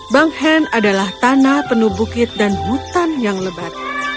banghen adalah tanah penuh bukit dan hutan yang lebat